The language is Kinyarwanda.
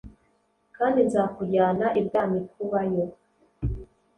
kandi nzakujyana ibwamikubayo